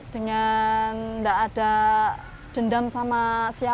dengan tidak ada dendam sama siapa